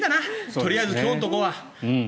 とりあえず今日のところは。